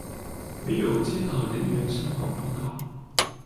没有接到人员伤亡报告。